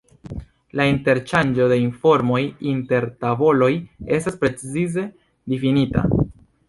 La interŝanĝo de informoj inter tavoloj estas precize difinita.